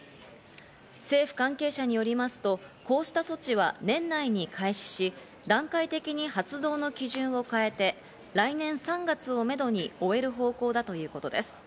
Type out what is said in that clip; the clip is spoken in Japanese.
政府関係者によりますと、こうした措置は年内に開始し、段階的に発動の基準を変えて、来年３月をめどに終える方向だということです。